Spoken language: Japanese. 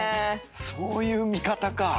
そういう見方か。